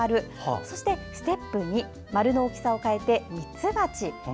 そしてステップ２丸の大きさを変えてみつばち。